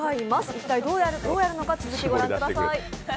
一体どうやるのか、続きを御覧ください。